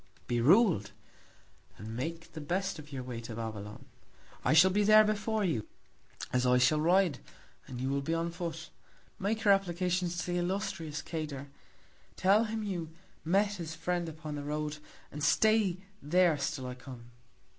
Be rul'd, and make the best of your Way to Babylon. I shall be there before you, as I shall ride, and you will be on Foot. Make your Applications to the illustrious Cador; tell him you met his Friend upon the Road; and stay there still I come.